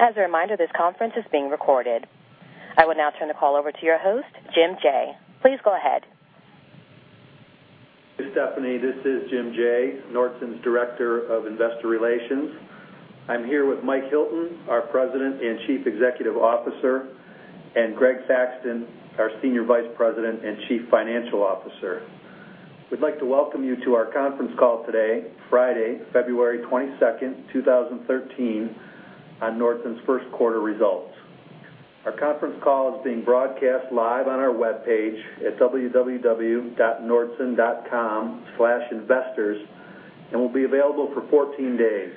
As a reminder, this conference is being recorded. I will now turn the call over to your host, Jim Jaye. Please go ahead. Good, Stephanie. This is Jim Jaye, Nordson's Director of Investor Relations. I'm here with Mike Hilton, our President and Chief Executive Officer, and Greg Thaxton, our Senior Vice President and Chief Financial Officer. We'd like to welcome you to our conference call today, Friday, February 22, 2013, on Nordson's first quarter results. Our conference call is being broadcast live on our webpage at www.nordson.com/investors and will be available for 14 days.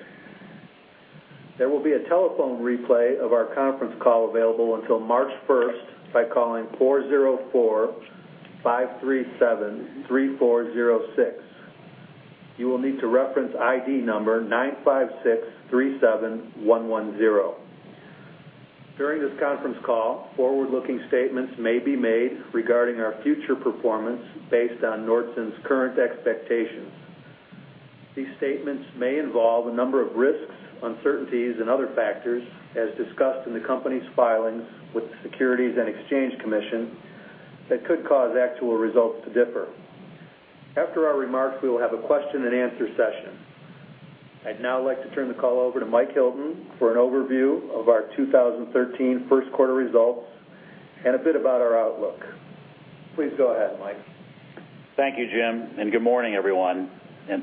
There will be a telephone replay of our conference call available until March 1st by calling 404-537-3406. You will need to reference ID number 95637110. During this conference call, forward-looking statements may be made regarding our future performance based on Nordson's current expectations. These statements may involve a number of risks, uncertainties, and other factors, as discussed in the company's filings with the Securities and Exchange Commission that could cause actual results to differ. After our remarks, we will have a question and answer session. I'd now like to turn the call over to Mike Hilton for an overview of our 2013 first quarter results and a bit about our outlook. Please go ahead, Mike. Thank you, Jim, and good morning, everyone.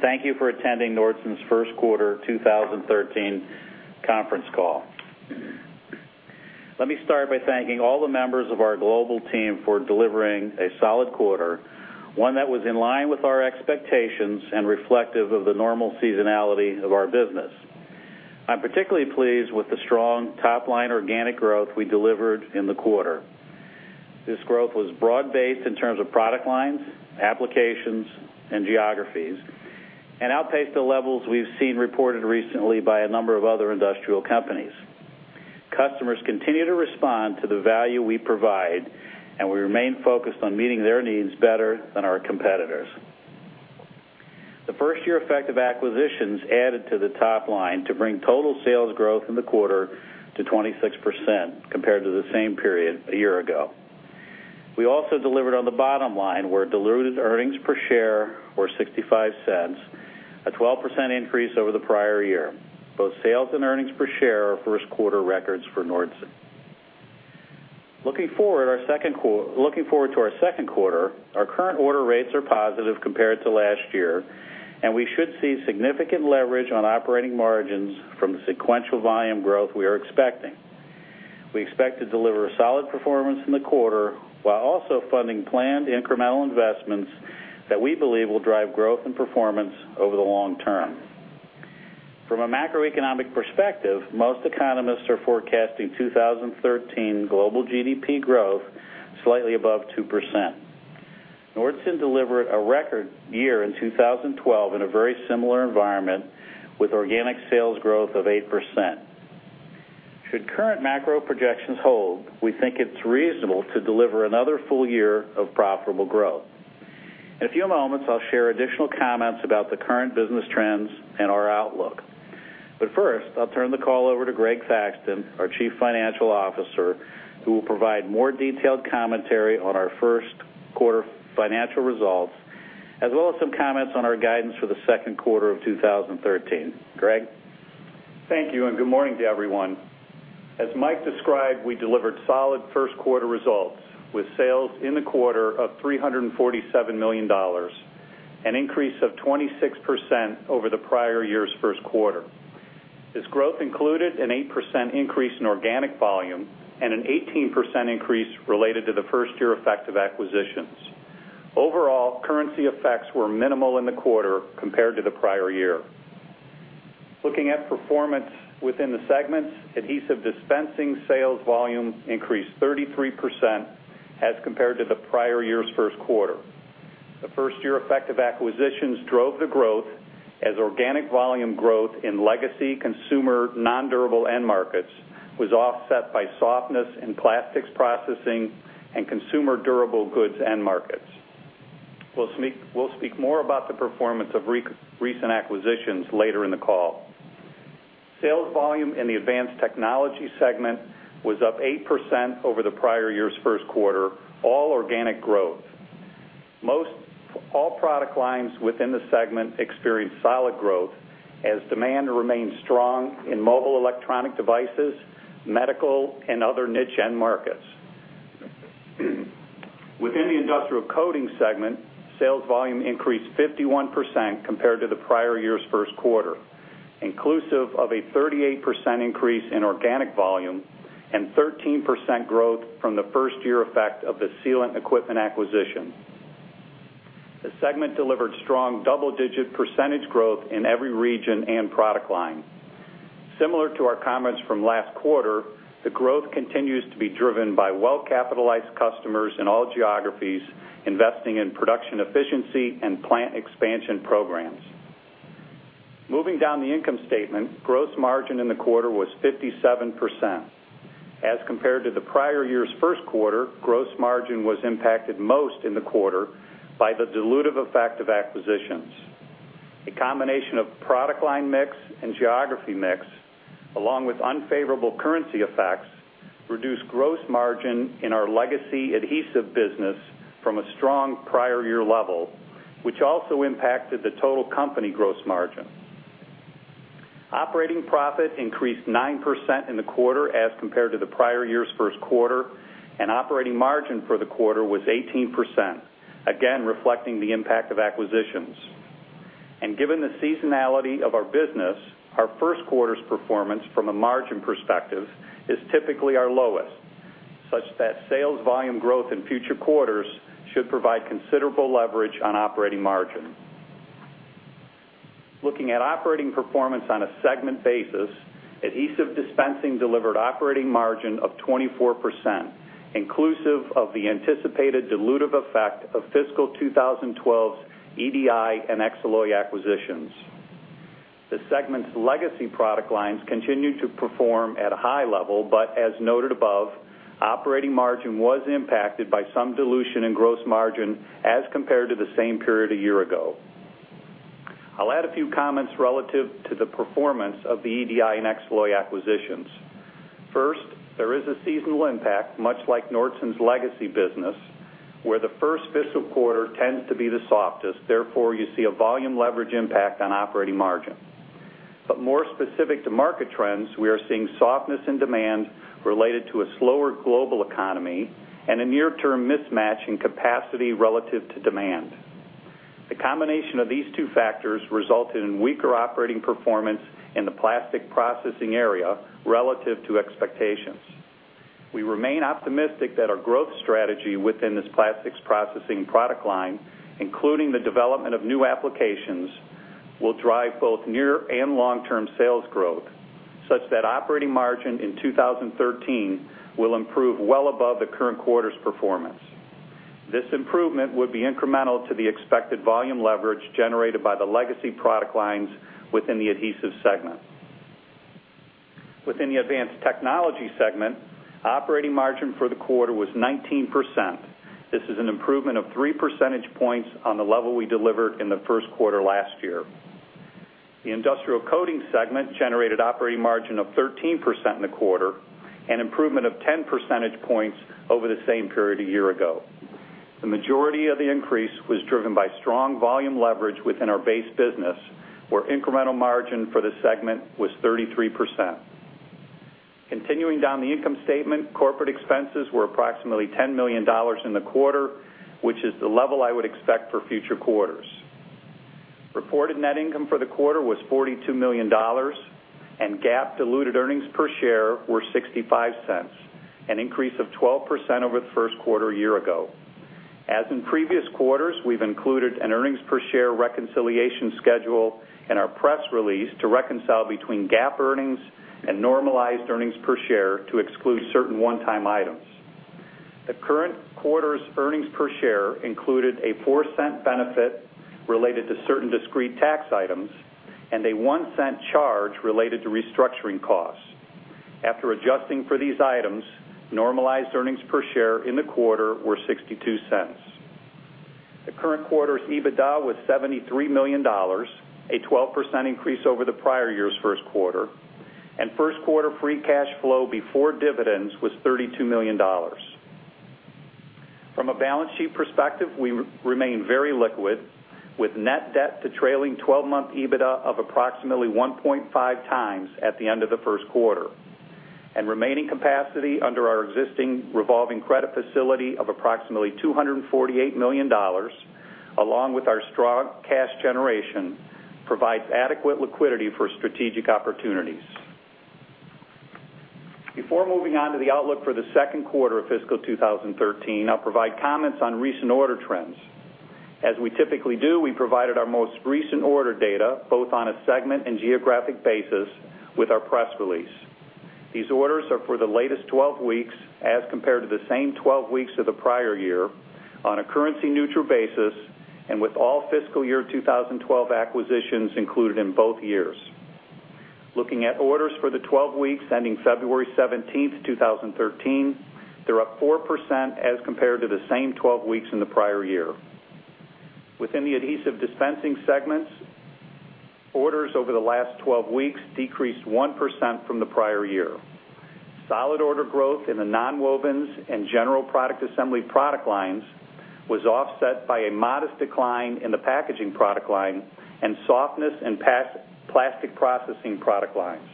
Thank you for attending Nordson's first quarter 2013 conference call. Let me start by thanking all the members of our global team for delivering a solid quarter, one that was in line with our expectations and reflective of the normal seasonality of our business. I'm particularly pleased with the strong top-line organic growth we delivered in the quarter. This growth was broad-based in terms of product lines, applications, and geographies, and outpaced the levels we've seen reported recently by a number of other industrial companies. Customers continue to respond to the value we provide, and we remain focused on meeting their needs better than our competitors. The first year effect of acquisitions added to the top line to bring total sales growth in the quarter to 26% compared to the same period a year ago. We also delivered on the bottom line, where diluted earnings per share were $0.65, a 12% increase over the prior year. Both sales and earnings per share are first quarter records for Nordson. Looking forward to our second quarter, our current order rates are positive compared to last year, and we should see significant leverage on operating margins from the sequential volume growth we are expecting. We expect to deliver a solid performance in the quarter while also funding planned incremental investments that we believe will drive growth and performance over the long term. From a macroeconomic perspective, most economists are forecasting 2013 global GDP growth slightly above 2%. Nordson delivered a record year in 2012 in a very similar environment with organic sales growth of 8%. Should current macro projections hold, we think it's reasonable to deliver another full year of profitable growth. In a few moments, I'll share additional comments about the current business trends and our outlook. First, I'll turn the call over to Greg Thaxton, our Chief Financial Officer, who will provide more detailed commentary on our first quarter financial results, as well as some comments on our guidance for the second quarter of 2013. Greg. Thank you, and good morning to everyone. As Mike described, we delivered solid first quarter results with sales in the quarter of $347 million, an increase of 26% over the prior year's first quarter. This growth included an 8% increase in organic volume and an 18% increase related to the first year effect of acquisitions. Overall, currency effects were minimal in the quarter compared to the prior year. Looking at performance within the segments, Adhesive Dispensing sales volume increased 33% as compared to the prior year's first quarter. The first year effect of acquisitions drove the growth as organic volume growth in legacy consumer nondurable end markets was offset by softness in plastics processing and consumer durable goods end markets. We'll speak more about the performance of recent acquisitions later in the call. Sales volume in the Advanced Technology segment was up 8% over the prior year's first quarter, all organic growth. All product lines within the segment experienced solid growth as demand remained strong in mobile electronic devices, medical and other niche end markets. Within the Industrial Coating segment, sales volume increased 51% compared to the prior year's first quarter, inclusive of a 38% increase in organic volume and 13% growth from the first-year effect of the Sealant Equipment acquisition. The segment delivered strong double-digit percentage growth in every region and product line. Similar to our comments from last quarter, the growth continues to be driven by well-capitalized customers in all geographies investing in production efficiency and plant expansion programs. Moving down the income statement, gross margin in the quarter was 57%. Compared to the prior year's first quarter, gross margin was impacted most in the quarter by the dilutive effect of acquisitions. A combination of product line mix and geography mix, along with unfavorable currency effects, reduced gross margin in our legacy adhesive business from a strong prior year level, which also impacted the total company gross margin. Operating profit increased 9% in the quarter as compared to the prior year's first quarter, and operating margin for the quarter was 18%, again, reflecting the impact of acquisitions. Given the seasonality of our business, our first quarter's performance from a margin perspective is typically our lowest, such that sales volume growth in future quarters should provide considerable leverage on operating margin. Looking at operating performance on a segment basis, Adhesive Dispensing delivered operating margin of 24%, inclusive of the anticipated dilutive effect of fiscal 2012's EDI and Xaloy acquisitions. The segment's legacy product lines continued to perform at a high level, but as noted above, operating margin was impacted by some dilution in gross margin as compared to the same period a year ago. I'll add a few comments relative to the performance of the EDI and Xaloy acquisitions. First, there is a seasonal impact, much like Nordson's legacy business, where the first fiscal quarter tends to be the softest, therefore you see a volume leverage impact on operating margin. But more specific to market trends, we are seeing softness in demand related to a slower global economy and a near-term mismatch in capacity relative to demand. The combination of these two factors resulted in weaker operating performance in the plastic processing area relative to expectations. We remain optimistic that our growth strategy within this plastics processing product line, including the development of new applications, will drive both near and long-term sales growth such that operating margin in 2013 will improve well above the current quarter's performance. This improvement would be incremental to the expected volume leverage generated by the legacy product lines within the Adhesive segment. Within the Advanced Technology segment, operating margin for the quarter was 19%. This is an improvement of three percentage points on the level we delivered in the first quarter last year. The Industrial Coating segment generated operating margin of 13% in the quarter, an improvement of ten percentage points over the same period a year ago. The majority of the increase was driven by strong volume leverage within our base business, where incremental margin for the segment was 33%. Continuing down the income statement, corporate expenses were approximately $10 million in the quarter, which is the level I would expect for future quarters. Reported net income for the quarter was $42 million, and GAAP diluted earnings per share were $0.65, an increase of 12% over the first quarter a year ago. As in previous quarters, we've included an earnings per share reconciliation schedule in our press release to reconcile between GAAP earnings and normalized earnings per share to exclude certain one-time items. The current quarter's earnings per share included a $0.04 benefit related to certain discrete tax items and a $0.01 charge related to restructuring costs. After adjusting for these items, normalized earnings per share in the quarter were $0.62. The current quarter's EBITDA was $73 million, a 12% increase over the prior year's first quarter, and first quarter free cash flow before dividends was $32 million. From a balance sheet perspective, we remain very liquid with net debt to trailing 12-month EBITDA of approximately 1.5x at the end of the first quarter. Remaining capacity under our existing revolving credit facility of approximately $248 million, along with our strong cash generation, provides adequate liquidity for strategic opportunities. Before moving on to the outlook for the second quarter of fiscal 2013, I'll provide comments on recent order trends. As we typically do, we provided our most recent order data, both on a segment and geographic basis, with our press release. These orders are for the latest 12 weeks as compared to the same 12 weeks of the prior year on a currency-neutral basis and with all fiscal year 2013 acquisitions included in both years. Looking at orders for the 12 weeks ending February 17th, 2013, they're up 4% as compared to the same 12 weeks in the prior year. Within the Adhesive Dispensing segments, orders over the last 12 weeks decreased 1% from the prior year. Solid order growth in the nonwovens and general product assembly product lines was offset by a modest decline in the packaging product line and softness in polymer processing product lines.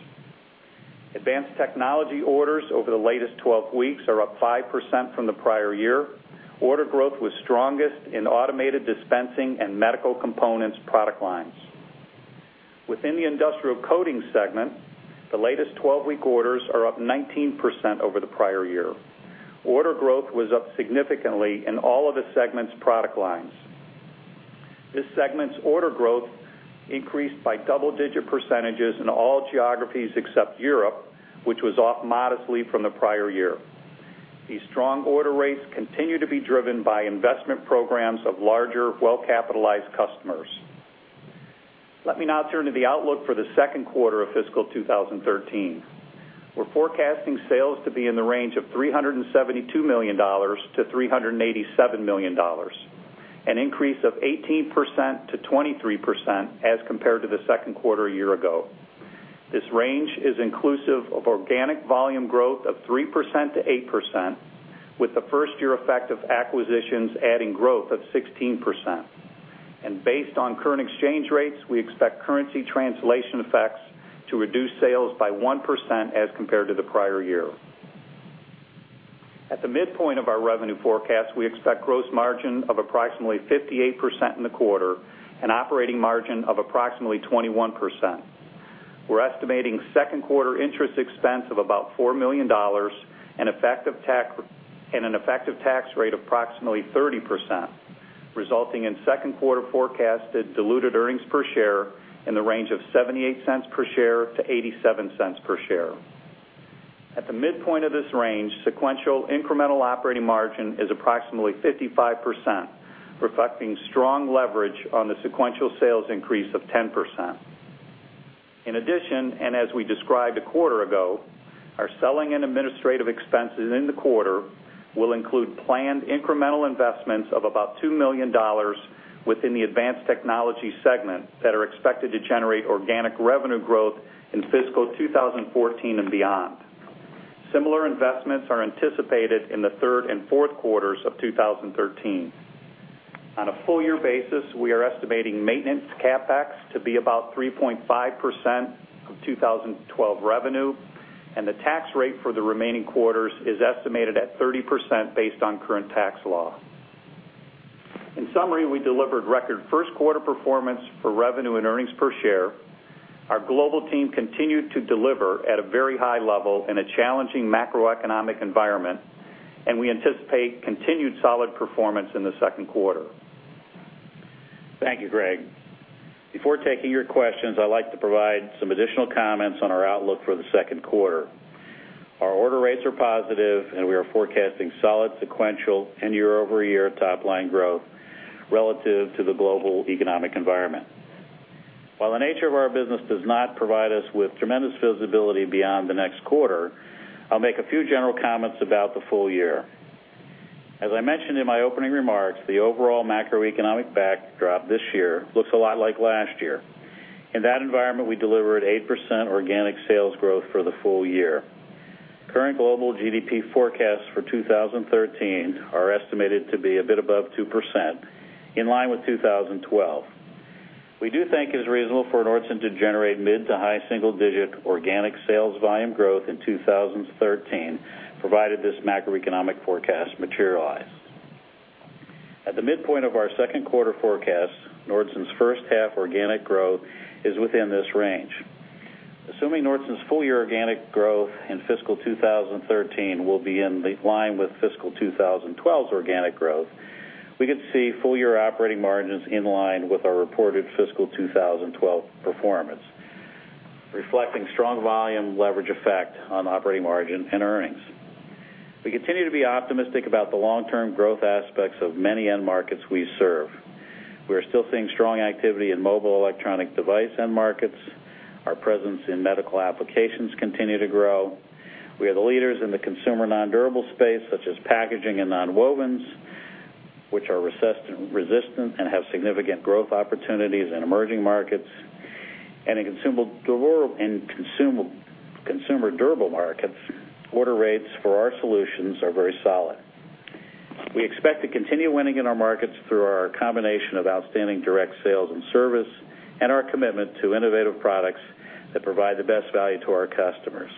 Advanced Technology orders over the latest 12 weeks are up 5% from the prior year. Order growth was strongest in automated dispensing and medical components product lines. Within the Industrial Coating segment, the latest 12-week orders are up 19% over the prior year. Order growth was up significantly in all of the segment's product lines. This segment's order growth increased by double-digit percentages in all geographies except Europe, which was off modestly from the prior year. These strong order rates continue to be driven by investment programs of larger, well-capitalized customers. Let me now turn to the outlook for the second quarter of fiscal 2013. We're forecasting sales to be in the range of $372 million-$387 million, an increase of 18%-23% as compared to the second quarter a year ago. This range is inclusive of organic volume growth of 3%-8%, with the first year effect of acquisitions adding growth of 16%. Based on current exchange rates, we expect currency translation effects to reduce sales by 1% as compared to the prior year. At the midpoint of our revenue forecast, we expect gross margin of approximately 58% in the quarter and operating margin of approximately 21%. We're estimating second quarter interest expense of about $4 million, an effective tax rate of approximately 30%, resulting in second quarter forecasted diluted earnings per share in the range of $0.78-$0.87 per share. At the midpoint of this range, sequential incremental operating margin is approximately 55%, reflecting strong leverage on the sequential sales increase of 10%. In addition, and as we described a quarter ago, our selling and administrative expenses in the quarter will include planned incremental investments of about $2 million within the Advanced Technology segment that are expected to generate organic revenue growth in fiscal 2014 and beyond. Similar investments are anticipated in the third and fourth quarters of 2013. On a full year basis, we are estimating maintenance CapEx to be about 3.5% of 2012 revenue, and the tax rate for the remaining quarters is estimated at 30% based on current tax law. In summary, we delivered record first quarter performance for revenue and earnings per share. Our global team continued to deliver at a very high level in a challenging macroeconomic environment, and we anticipate continued solid performance in the second quarter. Thank you, Greg. Before taking your questions, I'd like to provide some additional comments on our outlook for the second quarter. Our order rates are positive, and we are forecasting solid sequential and year-over-year top line growth relative to the global economic environment. While the nature of our business does not provide us with tremendous visibility beyond the next quarter, I'll make a few general comments about the full year. As I mentioned in my opening remarks, the overall macroeconomic backdrop this year looks a lot like last year. In that environment, we delivered 8% organic sales growth for the full year. Current global GDP forecasts for 2013 are estimated to be a bit above 2%, in line with 2012. We do think it's reasonable for Nordson to generate mid- to high-single-digit organic sales volume growth in 2013, provided this macroeconomic forecast materialize. At the midpoint of our second quarter forecast, Nordson's first half organic growth is within this range. Assuming Nordson's full year organic growth in fiscal 2013 will be in line with fiscal 2012's organic growth, we could see full year operating margins in line with our reported fiscal 2012 performance, reflecting strong volume leverage effect on operating margin and earnings. We continue to be optimistic about the long-term growth aspects of many end markets we serve. We are still seeing strong activity in mobile electronic device end markets. Our presence in medical applications continue to grow. We are the leaders in the consumer nondurable space, such as packaging and nonwovens, which are resistant and have significant growth opportunities in emerging markets. In consumer durable markets, order rates for our solutions are very solid. We expect to continue winning in our markets through our combination of outstanding direct sales and service and our commitment to innovative products that provide the best value to our customers.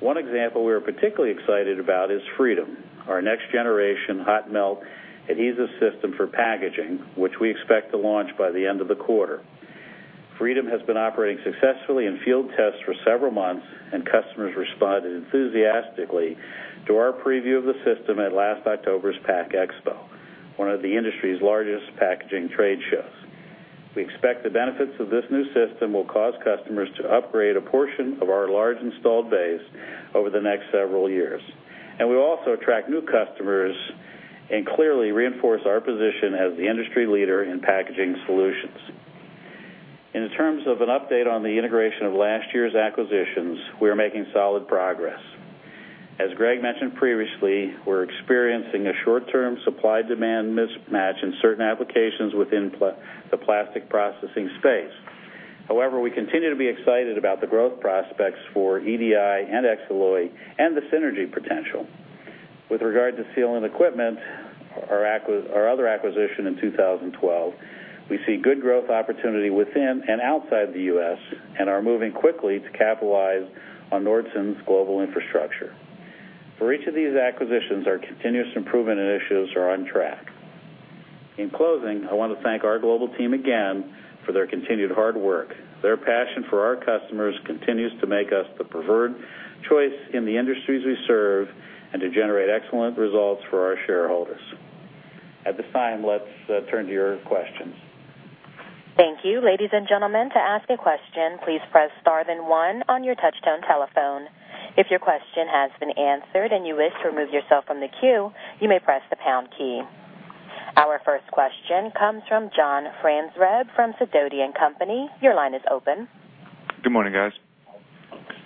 One example we are particularly excited about is Freedom, our next generation hot melt adhesive system for packaging, which we expect to launch by the end of the quarter. Freedom has been operating successfully in field tests for several months, and customers responded enthusiastically to our preview of the system at last October's PACK EXPO, one of the industry's largest packaging trade shows. We expect the benefits of this new system will cause customers to upgrade a portion of our large installed base over the next several years, and we also attract new customers and clearly reinforce our position as the industry leader in packaging solutions. In terms of an update on the integration of last year's acquisitions, we are making solid progress. As Greg mentioned previously, we're experiencing a short-term supply-demand mismatch in certain applications within the plastic processing space. However, we continue to be excited about the growth prospects for EDI and Xaloy and the synergy potential. With regard to Sealant Equipment, our other acquisition in 2012, we see good growth opportunity within and outside the U.S. and are moving quickly to capitalize on Nordson's global infrastructure. For each of these acquisitions, our continuous improvement initiatives are on track. In closing, I wanna thank our global team again for their continued hard work. Their passion for our customers continues to make us the preferred choice in the industries we serve and to generate excellent results for our shareholders. At this time, let's turn to your questions. Thank you. Ladies and gentlemen, to ask a question, please press star then one on your touchtone telephone. If your question has been answered and you wish to remove yourself from the queue, you may press the pound key. Our first question comes from John Franzreb from Sidoti & Company. Your line is open. Good morning, guys.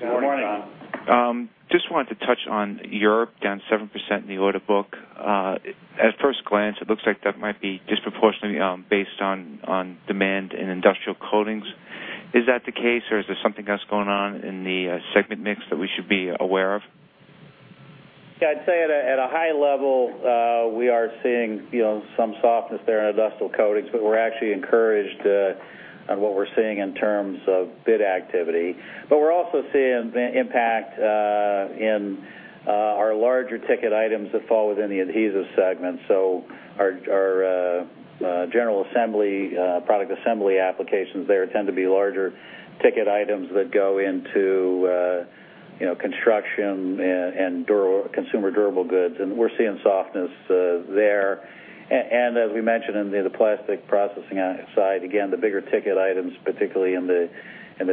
Good morning, John. Just wanted to touch on Europe, down 7% in the order book. At first glance, it looks like that might be disproportionately based on demand in Industrial Coating. Is that the case, or is there something else going on in the segment mix that we should be aware of? Yeah, I'd say at a high level, we are seeing, you know, some softness there in Industrial Coating, but we're actually encouraged on what we're seeing in terms of bid activity. We're also seeing the impact in our larger ticket items that fall within the Adhesive segment. Our general assembly product assembly applications there tend to be larger ticket items that go into, you know, construction and consumer durable goods, and we're seeing softness there. As we mentioned in the plastic processing side, again, the bigger ticket items, particularly in the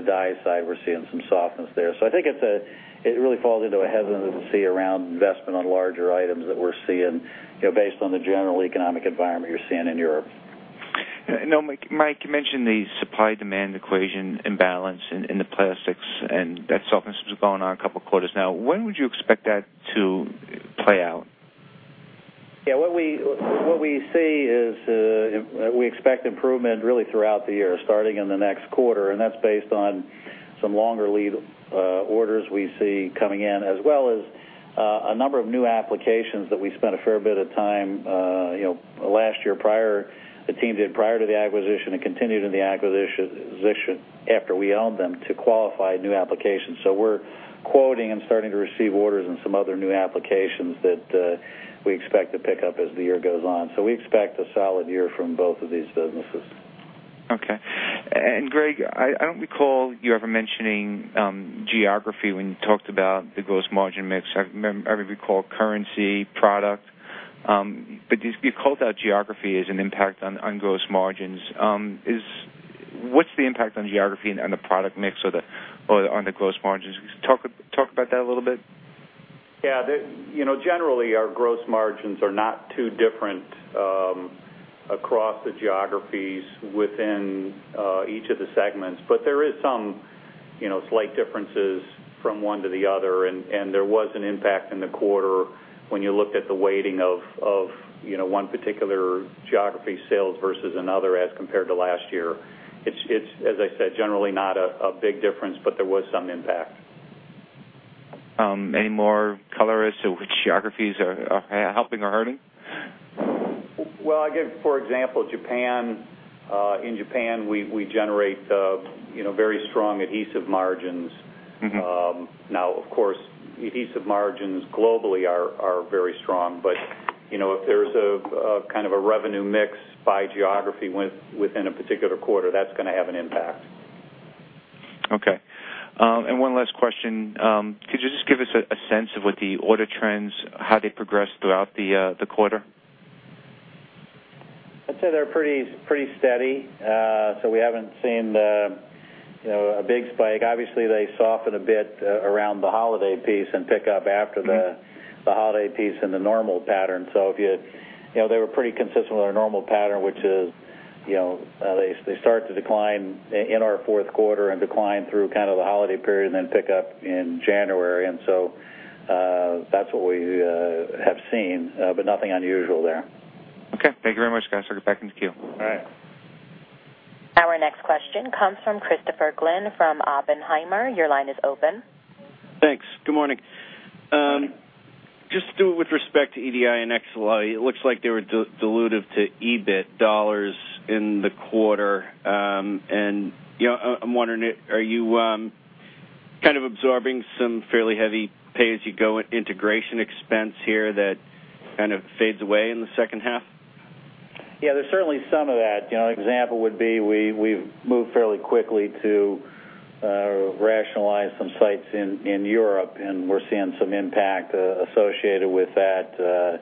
die side, we're seeing some softness there. I think it really falls into a hesitancy around investment on larger items that we're seeing, you know, based on the general economic environment you're seeing in Europe. Now, Mike, you mentioned the supply-demand equation imbalance in the plastics and that softness was going on a couple of quarters now. When would you expect that to play out? Yeah, what we see is we expect improvement really throughout the year, starting in the next quarter, and that's based on some longer lead orders we see coming in, as well as a number of new applications that we spent a fair bit of time, you know, last year prior, the team did prior to the acquisition and continued in the acquisition after we owned them to qualify new applications. We're quoting and starting to receive orders in some other new applications that we expect to pick up as the year goes on. We expect a solid year from both of these businesses. Okay. Greg, I don't recall you ever mentioning geography when you talked about the gross margin mix. I recall currency, product, but you called out geography as an impact on gross margins. What's the impact on geography and on the product mix or on the gross margins? Talk about that a little bit. Yeah. The you know, generally our gross margins are not too different across the geographies within each of the segments. There is some you know, slight differences from one to the other. There was an impact in the quarter when you looked at the weighting of you know, one particular geography sales versus another as compared to last year. It's as I said, generally not a big difference, but there was some impact. Any more color as to which geographies are helping or hurting? Well, I'll give, for example, Japan. In Japan, we generate, you know, very strong adhesive margins. Mm-hmm. Now, of course, adhesive margins globally are very strong. You know, if there's a kind of a revenue mix by geography within a particular quarter, that's gonna have an impact. Okay. One last question. Could you just give us a sense of what the order trends, how they progressed throughout the quarter? I'd say they're pretty steady. We haven't seen, you know, a big spike. Obviously, they soften a bit around the holiday period and pick up after the. Mm-hmm. The holiday piece in the normal pattern. You know, they were pretty consistent with our normal pattern, which is, you know, they start to decline in our fourth quarter and decline through kind of the holiday period and then pick up in January. That's what we have seen, but nothing unusual there. Okay. Thank you very much, guys. Back into queue. All right. Our next question comes from Christopher Glynn from Oppenheimer. Your line is open. Thanks. Good morning. Just with respect to EDI and Xaloy, it looks like they were dilutive to EBIT dollars in the quarter. You know, I'm wondering, are you kind of absorbing some fairly heavy pay-as-you-go integration expense here that kind of fades away in the second half? Yeah, there's certainly some of that. You know, an example would be we've moved fairly quickly to rationalize some sites in Europe, and we're seeing some impact associated with that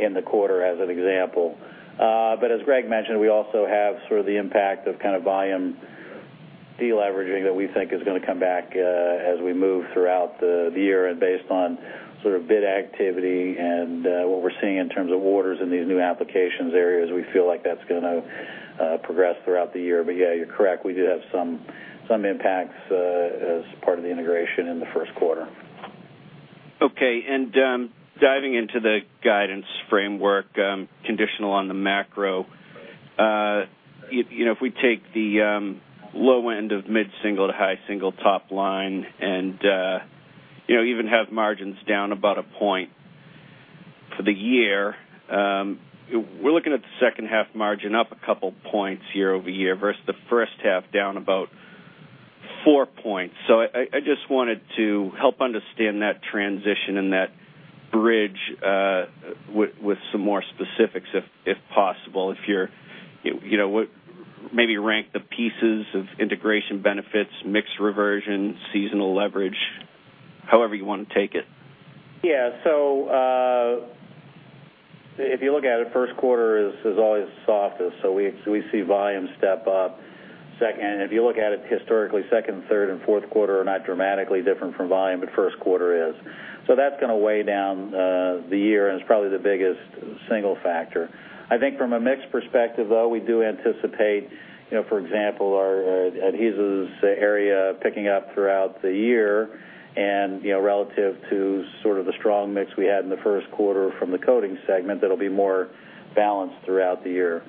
in the quarter as an example. As Greg mentioned, we also have sort of the impact of kind of volume de-leveraging that we think is gonna come back as we move throughout the year. Based on sort of bid activity and what we're seeing in terms of orders in these new applications areas, we feel like that's gonna progress throughout the year. Yeah, you're correct, we do have some impacts as part of the integration in the first quarter. Okay. Diving into the guidance framework, conditional on the macro, if you know, if we take the low end of mid-single to high single top line and you know, even have margins down about a point for the year, we're looking at the second half margin up a couple points year-over-year versus the first half down about 4 points. I just wanted to help understand that transition and that bridge with some more specifics, if possible. If you're, you know, maybe rank the pieces of integration benefits, mix reversion, seasonal leverage, however you wanna take it. If you look at it, first quarter is always the softest. We see volume step up second. If you look at it historically, second, third, and fourth quarter are not dramatically different in volume, but first quarter is. That's gonna weigh down the year, and it's probably the biggest single factor. I think from a mix perspective, though, we do anticipate, you know, for example, our adhesives area picking up throughout the year. You know, relative to sort of the strong mix we had in the first quarter from the coatings segment, that'll be more balanced throughout the year.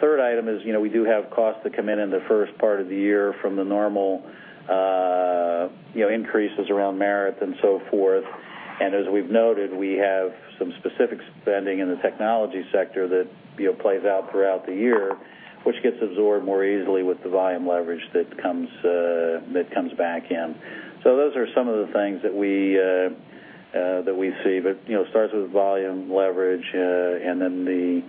Third item is, you know, we do have costs that come in in the first part of the year from the normal, you know, increases around merit and so forth. As we've noted, we have some specific spending in the technology sector that, you know, plays out throughout the year, which gets absorbed more easily with the volume leverage that comes back in. Those are some of the things that we see, but, you know, it starts with volume leverage, and then,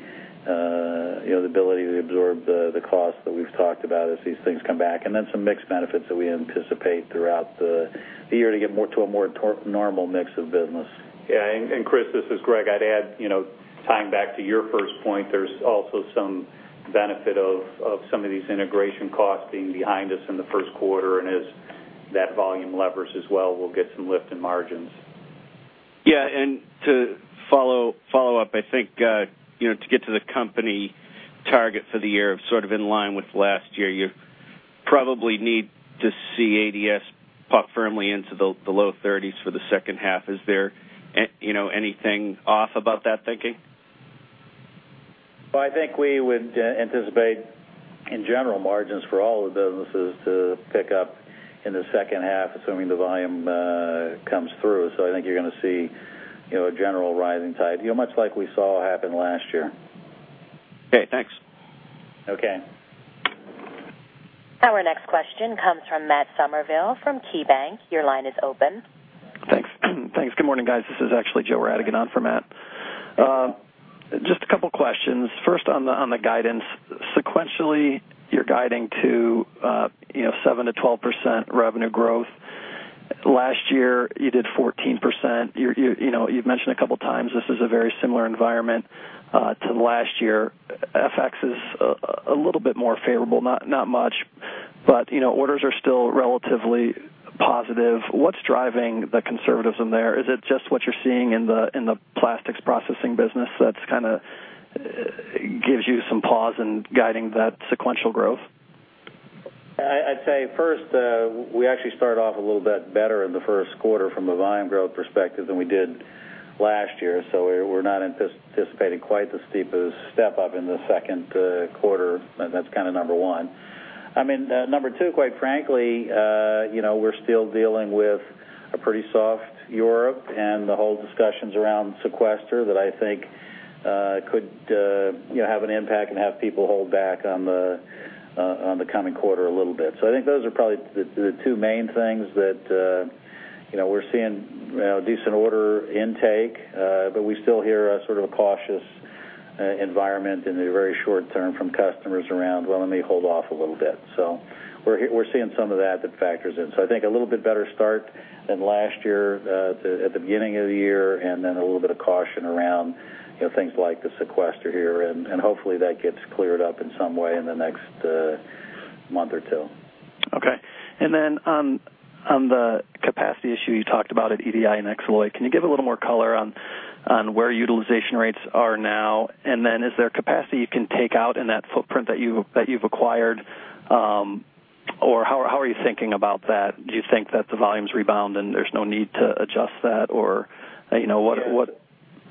you know, the ability to absorb the cost that we've talked about as these things come back. Then some mixed benefits that we anticipate throughout the year to get more to a more normal mix of business. Yeah, Chris, this is Greg. I'd add, you know, tying back to your first point, there's also some benefit of some of these integration costs being behind us in the first quarter. As that volume levers as well, we'll get some lift in margins. Yeah, to follow up, I think, you know, to get to the company target for the year of sort of in line with last year, you probably need to see ADS pop firmly into the low thirties for the second half. Is there, you know, anything off about that thinking? Well, I think we would anticipate, in general, margins for all the businesses to pick up in the second half, assuming the volume comes through. I think you're gonna see, you know, a general rising tide, you know, much like we saw happen last year. Okay, thanks. Okay. Our next question comes from Matt Summerville from KeyBanc Capital Markets. Your line is open. Thanks. Good morning, guys. This is actually Joe Radigan on for Matt. Just a couple questions. First, on the guidance. Sequentially, you're guiding to 7%-12% revenue growth. Last year, you did 14%. You've mentioned a couple times this is a very similar environment to last year. FX is a little bit more favorable, not much, but orders are still relatively positive. What's driving the conservatism there? Is it just what you're seeing in the plastics processing business that gives you some pause in guiding that sequential growth? I'd say first, we actually started off a little bit better in the first quarter from a volume growth perspective than we did last year. We're not anticipating quite the steepest step up in the second quarter. That's kinda number one. I mean, number two, quite frankly, you know, we're still dealing with a pretty soft Europe and the whole discussions around sequester that I think could you know have an impact and have people hold back on the coming quarter a little bit. I think those are probably the two main things that you know we're seeing, decent order intake, but we still hear a sort of a cautious environment in the very short term from customers around, well, let me hold off a little bit. We're seeing some of that factors in. I think a little bit better start than last year at the beginning of the year, and then a little bit of caution around, you know, things like the sequester here, and hopefully that gets cleared up in some way in the next month or two. Okay. On the capacity issue you talked about at EDI and Xaloy, can you give a little more color on where utilization rates are now? Is there capacity you can take out in that footprint that you've acquired, or how are you thinking about that? Do you think that the volumes rebound, and there's no need to adjust that? Or, you know, what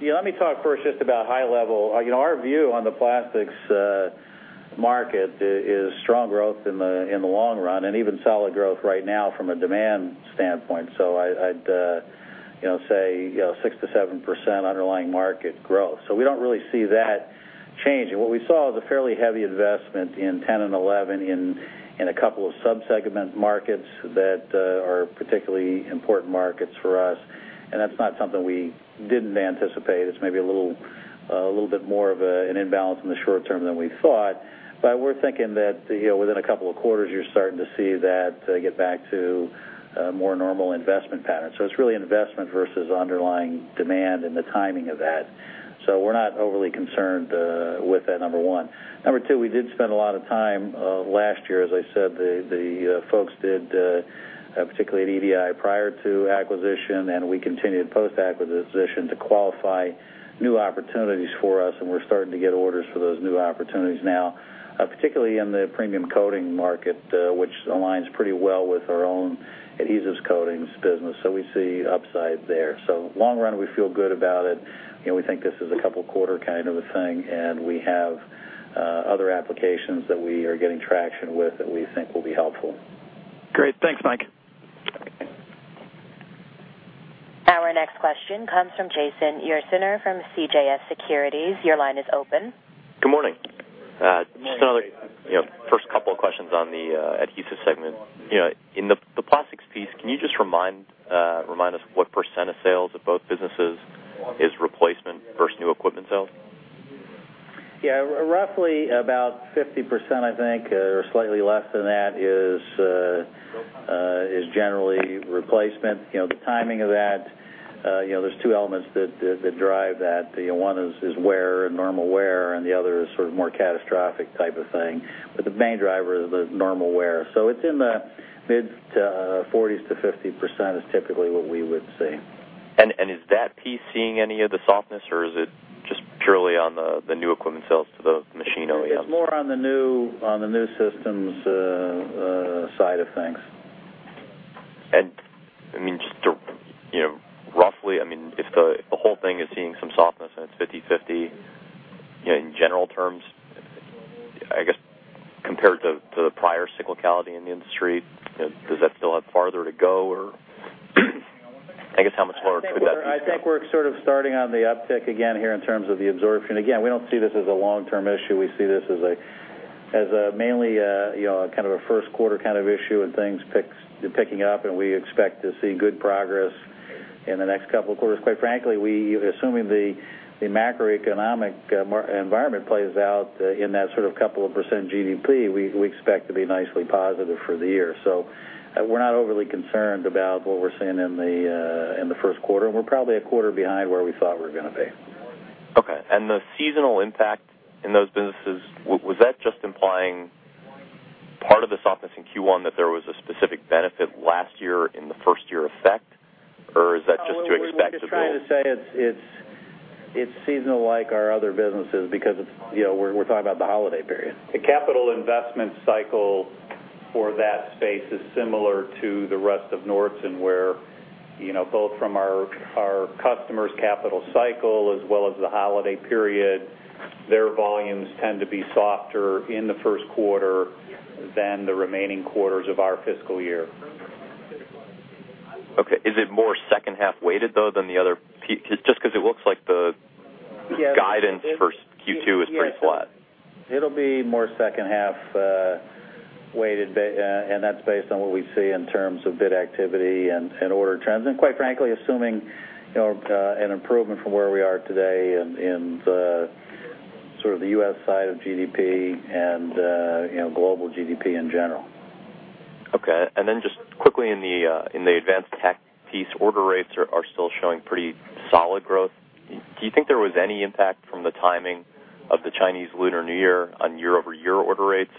Yeah. Yeah, let me talk first just about high level. You know, our view on the plastics market is strong growth in the long run and even solid growth right now from a demand standpoint. I'd you know, say, you know, 6%-7% underlying market growth. We don't really see that changing. What we saw was a fairly heavy investment in 2010 and 2011 in a couple of sub-segment markets that are particularly important markets for us, and that's not something we didn't anticipate. It's maybe a little a little bit more of a an imbalance in the short term than we thought. We're thinking that, you know, within a couple of quarters, you're starting to see that get back to a more normal investment pattern. It's really investment versus underlying demand and the timing of that. We're not overly concerned with that, number one. Number two, we did spend a lot of time last year, as I said, the folks did, particularly at EDI prior to acquisition, and we continued post-acquisition to qualify new opportunities for us, and we're starting to get orders for those new opportunities now, particularly in the premium coating market, which aligns pretty well with our own adhesives coatings business. We see upside there. Long run, we feel good about it. You know, we think this is a couple quarter kind of a thing, and we have other applications that we are getting traction with that we think will be helpful. Great. Thanks, Mike. Our next question comes from Jason Ursaner from CJS Securities. Your line is open. Good morning. Just another, you know, first couple of questions on the adhesive segment. You know, in the plastics piece, can you just remind us what percent of sales of both businesses is replacement versus new equipment sales? Yeah, roughly about 50%, I think, or slightly less than that is generally replacement. You know, the timing of that, you know, there's two elements that drive that. You know, one is wear, normal wear, and the other is sort of more catastrophic type of thing, but the main driver is the normal wear. It's in the mid-40s to 50% is typically what we would see. Is that piece seeing any of the softness or is it just purely on the new equipment sales to the machine owners? It's more on the new systems side of things. I mean, just to, you know, roughly, I mean, if the whole thing is seeing some softness and it's 50/50, you know, in general terms, I guess compared to the prior cyclicality in the industry, you know, does that still have farther to go? Or I guess, how much more could that be? I think we're sort of starting on the uptick again here in terms of the absorption. Again, we don't see this as a long-term issue. We see this as a mainly kind of a first quarter kind of issue and things picking up, and we expect to see good progress in the next couple of quarters. Quite frankly, we assuming the macroeconomic environment plays out in that sort of couple of percent GDP, we expect to be nicely positive for the year. We're not overly concerned about what we're seeing in the first quarter, and we're probably a quarter behind where we thought we were gonna be. Okay. The seasonal impact in those businesses, was that just implying part of the softness in Q1 that there was a specific benefit last year in the first year effect? Or is that just the expectable? We're just trying to say it's seasonal like our other businesses because it's, you know, we're talking about the holiday period. The capital investment cycle for that space is similar to the rest of Nordson, where, you know, both from our customers' capital cycle as well as the holiday period, their volumes tend to be softer in the first quarter than the remaining quarters of our fiscal year. Okay. Is it more second half weighted, though, than the other? Just 'cause it looks like the- Yeah. Guidance for Q2 is pretty flat. It'll be more second half weighted, and that's based on what we see in terms of bid activity and order trends. Quite frankly, assuming you know an improvement from where we are today in the sort of the U.S. side of GDP and you know global GDP in general. Okay. Just quickly in the advanced tech piece, order rates are still showing pretty solid growth. Do you think there was any impact from the timing of the Chinese Lunar New Year on year-over-year order rates?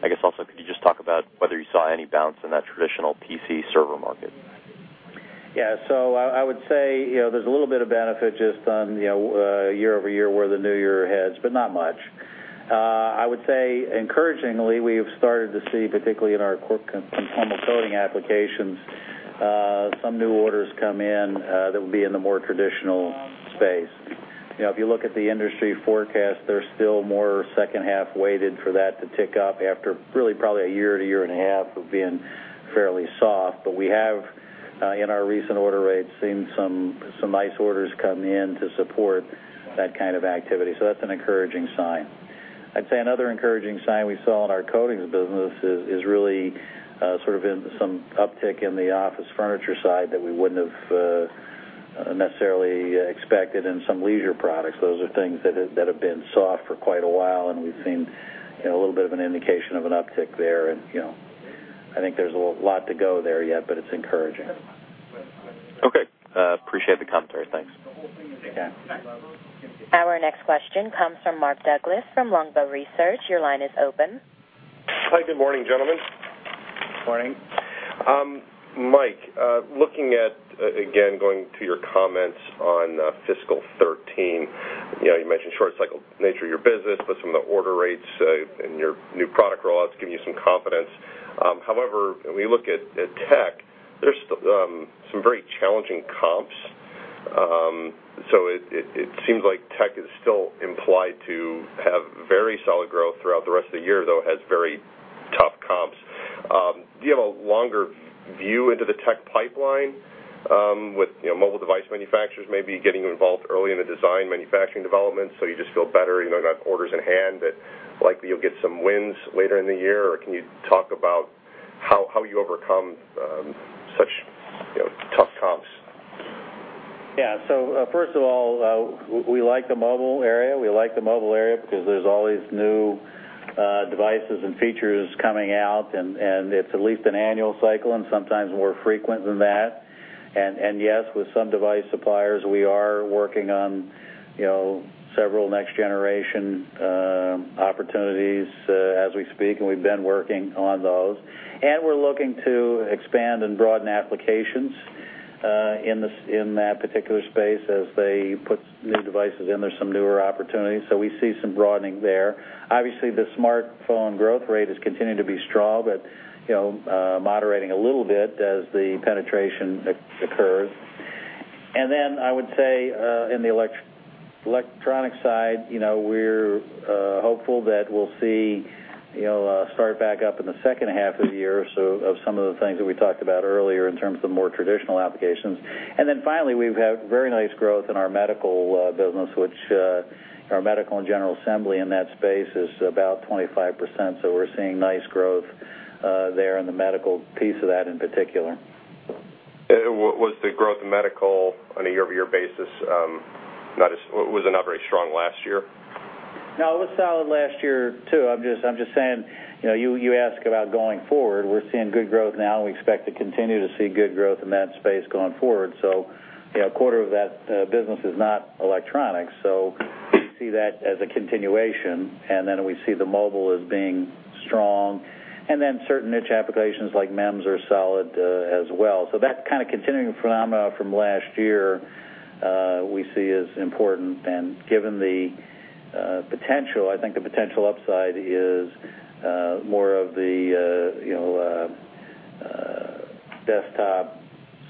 I guess also, could you just talk about whether you saw any bounce in that traditional PC server market? Yeah. I would say, you know, there's a little bit of benefit just on, you know, year-over-year where the new year heads, but not much. I would say, encouragingly, we have started to see, particularly in our core consumable coating applications, some new orders come in, that would be in the more traditional space. You know, if you look at the industry forecast, they're still more second half weighted for that to tick up after really probably a year to a year and a half of being fairly soft. But we have, in our recent order rates, seen some nice orders come in to support that kind of activity. That's an encouraging sign. I'd say another encouraging sign we saw in our coatings business is really sort of in some uptick in the office furniture side that we wouldn't have necessarily expected in some leisure products. Those are things that have been soft for quite a while, and we've seen, you know, a little bit of an indication of an uptick there. You know, I think there's a lot to go there yet, but it's encouraging. Okay. Appreciate the commentary. Thanks. Yeah. Our next question comes from Mark Douglass from Longbow Research. Your line is open. Hi. Good morning, gentlemen. Morning. Mike, looking at, again, going to your comments on fiscal 2013, you know, you mentioned short cycle nature of your business, but some of the order rates and your new product rollouts give you some confidence. However, when we look at tech, there's some very challenging comps. It seems like tech is still implied to have very solid growth throughout the rest of the year, though it has very tough comps. Do you have a longer view into the tech pipeline, with, you know, mobile device manufacturers maybe getting involved early in the design manufacturing development, so you just feel better, you know, you got orders in hand that likely you'll get some wins later in the year? Or can you talk about how you overcome such, you know, tough comps? Yeah. First of all, we like the mobile area. We like the mobile area because there's always new devices and features coming out and it's at least an annual cycle and sometimes more frequent than that. Yes, with some device suppliers, we are working on you know several next generation opportunities as we speak, and we've been working on those. We're looking to expand and broaden applications in this, in that particular space. As they put new devices in, there's some newer opportunities. We see some broadening there. Obviously, the smartphone growth rate has continued to be strong, but you know moderating a little bit as the penetration occurs. I would say, in the electronic side, you know, we're hopeful that we'll see, you know, start back up in the second half of the year or so of some of the things that we talked about earlier in terms of more traditional applications. Finally, we've had very nice growth in our medical business, which our medical and general assembly in that space is about 25%. We're seeing nice growth there in the medical piece of that in particular. Was the growth in medical on a year-over-year basis not very strong last year? No, it was solid last year, too. I'm just saying, you know, you ask about going forward, we're seeing good growth now and we expect to continue to see good growth in that space going forward. You know, a quarter of that business is not electronics, so we see that as a continuation. Then we see the mobile as being strong, and then certain niche applications like MEMS are solid, as well. That kind of continuing phenomena from last year, we see as important. Given the potential, I think the potential upside is more of the, you know, desktop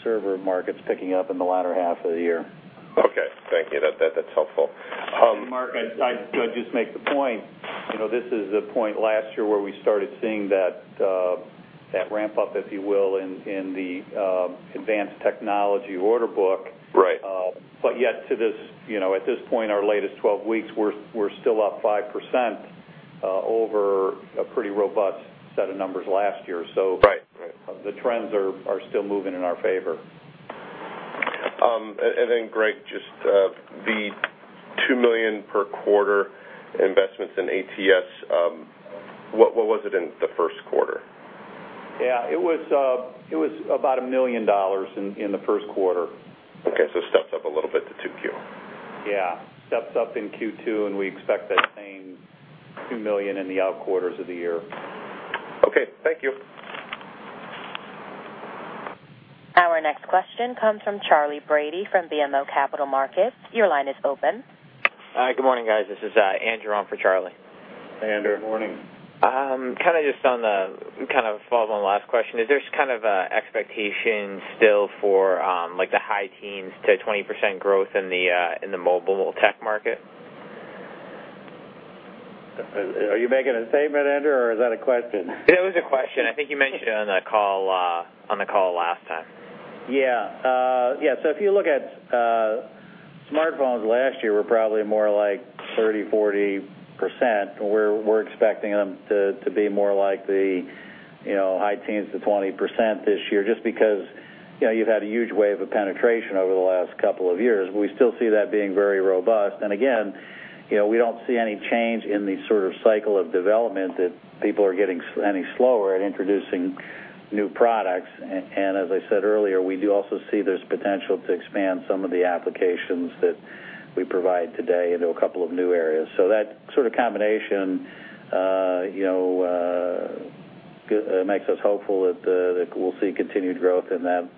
server markets picking up in the latter half of the year. Okay. Thank you. That's helpful. Mark, I'd just make the point, you know, this is a point last year where we started seeing that ramp up, if you will, in the Advanced Technology order book. Right. With this, you know, at this point in our latest 12 weeks, we're still up 5% over a pretty robust set of numbers last year. Right. The trends are still moving in our favor. Greg, just the $2 million per quarter investments in ATS, what was it in the first quarter? Yeah, it was about $1 million in the first quarter. Okay, it steps up a little bit to 2Q. Yeah. Step up in Q2, and we expect that same $2 million in the outer quarters of the year. Okay. Thank you. Our next question comes from Charles D. Brady from BMO Capital Markets. Your line is open. Hi. Good morning, guys. This is Andrew on for Charlie. Hey, Andrew. Good morning. Kinda just on the, kind of follow on the last question, is there kind of an expectation still for, like the high teens to 20% growth in the mobile tech market? Are you making a statement, Andrew, or is that a question? It was a question. I think you mentioned it on that call last time. Yeah. Yeah, so if you look at smartphones last year were probably more like 30-40%. We're expecting them to be more like the, you know, high teens to 20% this year just because, you know, you've had a huge wave of penetration over the last couple of years. We still see that being very robust. Again, you know, we don't see any change in the sort of cycle of development that people are getting any slower at introducing new products. As I said earlier, we do also see there's potential to expand some of the applications that we provide today into a couple of new areas. That sort of combination, you know, makes us hopeful that we'll see continued growth in that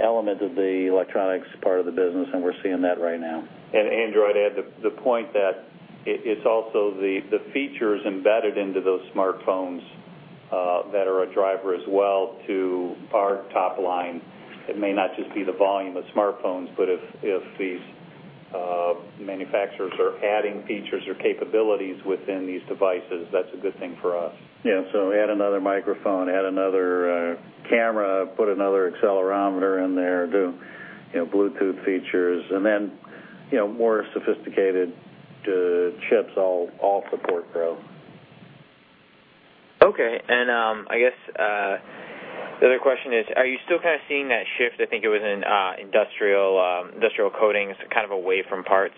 element of the electronics part of the business, and we're seeing that right now. Andrew, I'd add the point that it's also the features embedded into those smartphones that are a driver as well to our top line. It may not just be the volume of smartphones, but if these manufacturers are adding features or capabilities within these devices, that's a good thing for us. Yeah. Add another microphone, add another camera, put another accelerometer in there, you know, Bluetooth features and then, you know, more sophisticated chips all support growth. Okay. I guess the other question is, are you still kinda seeing that shift, I think it was in Industrial Coating to kind of away from parts?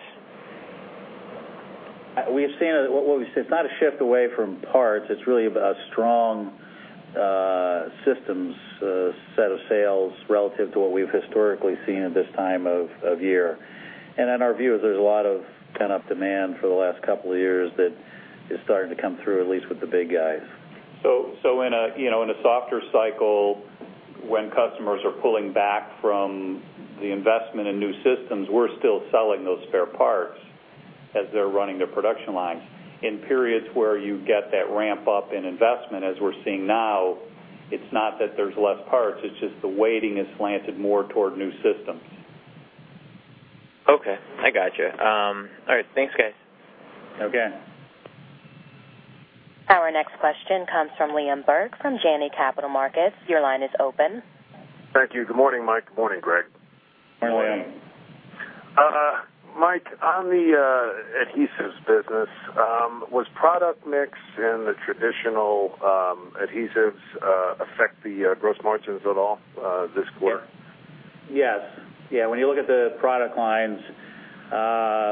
What we've seen, it's not a shift away from parts. It's really a strong systems set of sales relative to what we've historically seen at this time of year. Our view is there's a lot of pent-up demand for the last couple of years that is starting to come through, at least with the big guys. in a, you know, in a softer cycle, when customers are pulling back from the investment in new systems, we're still selling those spare parts as they're running their production lines. In periods where you get that ramp up in investment, as we're seeing now, it's not that there's less parts, it's just the weighting is slanted more toward new systems. Okay. I gotcha. All right. Thanks, guys. Okay. Our next question comes from Liam Burke from Janney Capital Markets. Your line is open. Thank you. Good morning, Mike. Good morning, Greg. Good morning. Morning. Mike, on the adhesives business, was product mix in the traditional adhesives affect the gross margins at all this quarter? Yes. Yes. Yeah, when you look at the product lines,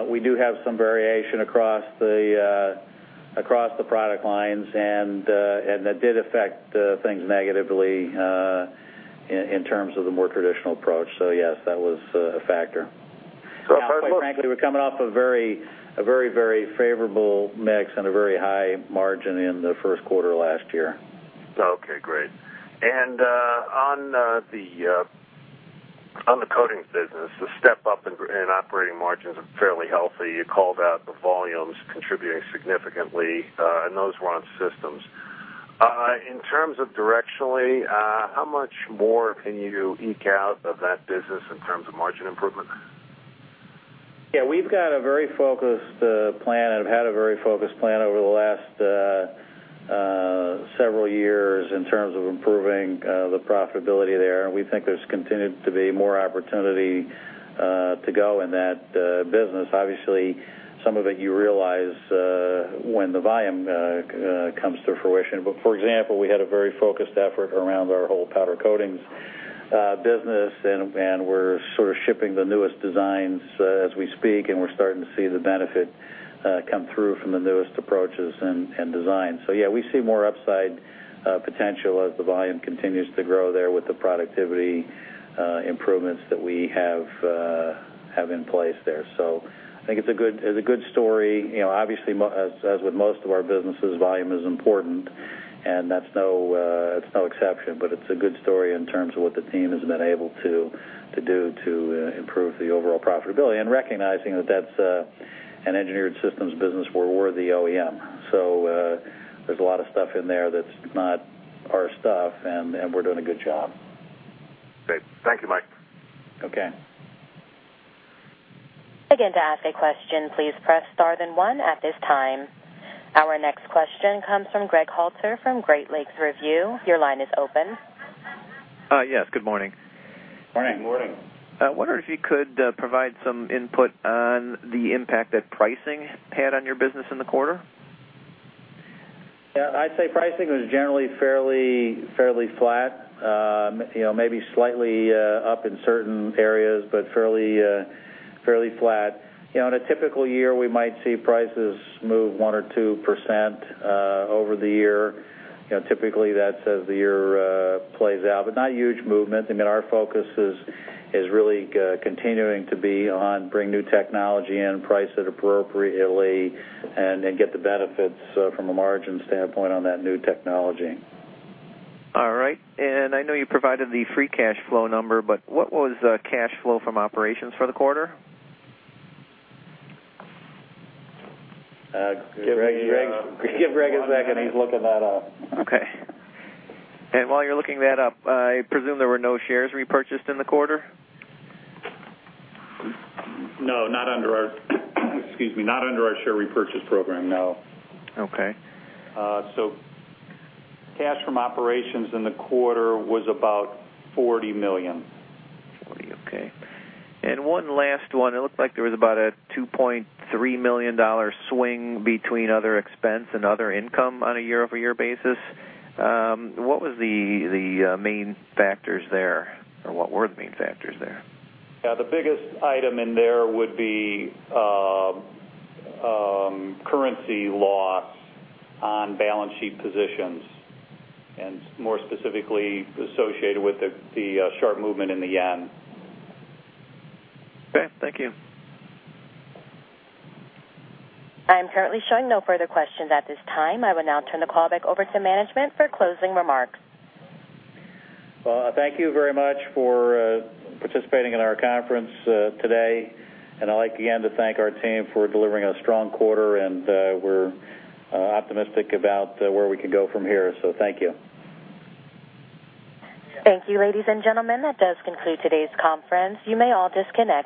we do have some variation across the product lines and that did affect things negatively in terms of the more traditional approach. Yes, that was a factor. So- Quite frankly, we're coming off a very, very favorable mix and a very high margin in the first quarter last year. Okay. Great. On the coatings business, the step up in operating margins are fairly healthy. You called out the volumes contributing significantly, and those were on systems. In terms of directionally, how much more can you eke out of that business in terms of margin improvement? Yeah, we've got a very focused plan and have had a very focused plan over the last several years in terms of improving the profitability there. We think there's continued to be more opportunity to go in that business. Obviously, some of it you realize when the volume comes to fruition. For example, we had a very focused effort around our whole powder coatings business, and we're sort of shipping the newest designs as we speak, and we're starting to see the benefit come through from the newest approaches and designs. Yeah, we see more upside potential as the volume continues to grow there with the productivity improvements that we have in place there. I think it's a good story. You know, obviously, as with most of our businesses, volume is important, and that's no exception. It's a good story in terms of what the team has been able to do to improve the overall profitability. Recognizing that that's an engineered systems business where we're the OEM. There's a lot of stuff in there that's not our stuff, and we're doing a good job. Great. Thank you, Mike. Okay. Again, to ask a question, please press star then one at this time. Our next question comes from Greg Halter from Great Lakes Review. Your line is open. Yes, good morning. Morning. Good morning. I wonder if you could provide some input on the impact that pricing had on your business in the quarter? Yeah, I'd say pricing was generally fairly flat. You know, maybe slightly up in certain areas, but fairly flat. You know, in a typical year, we might see prices move 1% or 2% over the year. You know, typically that's as the year plays out, but not huge movement. I mean, our focus is really continuing to be on bringing new technology in, price it appropriately, and then get the benefits from a margin standpoint on that new technology. All right. I know you provided the free cash flow number, but what was cash flow from operations for the quarter? Give Greg a second. He's looking that up. Okay. While you're looking that up, I presume there were no shares repurchased in the quarter? Not under our share repurchase program, no. Okay. Cash from operations in the quarter was about $40 million. Forty. Okay. One last one. It looked like there was about a $2.3 million swing between other expense and other income on a year-over-year basis. What was the main factors there, or what were the main factors there? Yeah, the biggest item in there would be currency loss on balance sheet positions, and more specifically associated with the sharp movement in the yen. Okay, thank you. I am currently showing no further questions at this time. I will now turn the call back over to management for closing remarks. Well, thank you very much for participating in our conference today. I'd like again to thank our team for delivering a strong quarter, and we're optimistic about where we can go from here. Thank you. Thank you, ladies and gentlemen. That does conclude today's conference. You may all disconnect.